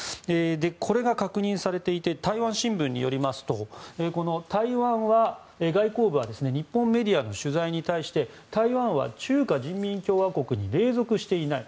これが確認されていて台湾新聞によりますと台湾外交部は日本メディアの取材に対して台湾は中華人民共和国に隷属していない